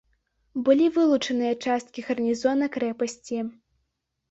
Былі вылучаныя часткі гарнізона крэпасці.